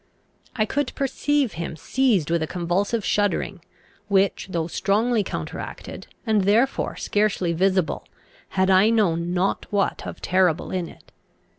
I could perceive him seized with a convulsive shuddering which, though strongly counteracted, and therefore scarcely visible, had I know not what of terrible in it.